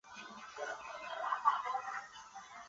克尼格斯海恩是德国萨克森州的一个市镇。